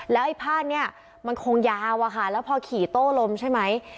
แล้วไอ้ผ้านี้มันคงยาวอะค่ะแล้วพอขี่โต้ลมใช่ไหม